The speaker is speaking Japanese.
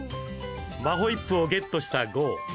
マホイップをゲットしたゴウ。